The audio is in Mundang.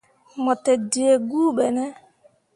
Mo te dǝǝ guu ɓe ne ?